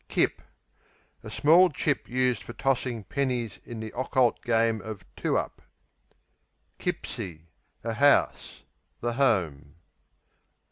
Kip A small chip used for tossing pennies in the occult game of two up. Kipsie A house; the home.